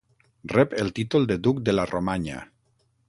Rep el títol de duc de la Romanya.